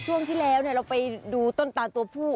ช่วงที่แล้วเราไปดูต้นตาตัวผู้